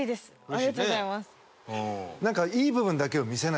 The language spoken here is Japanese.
ありがとうございます。